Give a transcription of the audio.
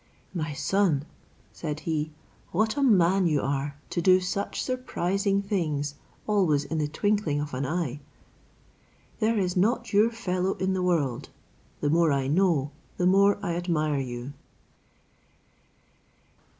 "My son," said he, "what a man you are to do such surprising things always in the twinkling of an eye; there is not your fellow in the world; the more I know, the more I admire you."